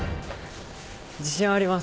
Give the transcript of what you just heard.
自信はあります。